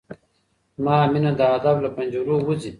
زما مينه د ادب له پنجرو وځي